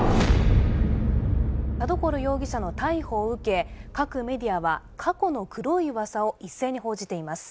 田所容疑者の逮捕を受け各メディアは過去の黒い噂を一斉に報じています